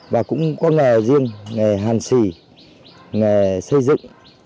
và cũng có nghề riêng nghề hàn xỉ nghề xây dựng